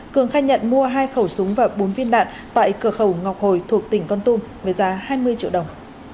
cường khai nhận mua hai khẩu súng và bốn viên đạn tại cửa khẩu ngọc hồi thuộc tỉnh con tum với giá hai mươi triệu đồng